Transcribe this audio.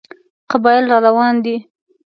قبایل را روان دي.